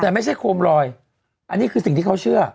แต่ไม่ใช่โคมลอยอันนี้คือสิ่งที่เขาเชื่อ